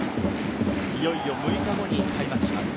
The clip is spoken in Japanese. いよいよ６日後に開幕します。